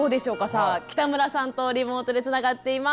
さあ北村さんとリモートでつながっています。